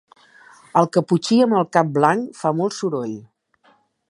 El caputxí amb el cap blanc fa molt soroll.